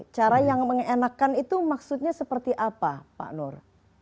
cara yang mengenakan itu maksudnya seperti apa pak nur